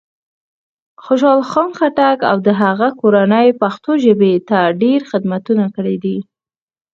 خوشال خان خټک او د هغه کورنۍ پښتو ژبې ته ډېر خدمتونه کړي دی.